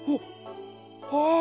ああ！